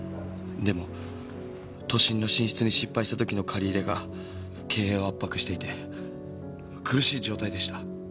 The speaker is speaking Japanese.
でも都心の進出に失敗した時の借り入れが経営を圧迫していて苦しい状態でした。